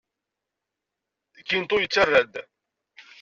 Quinto yettarra-d.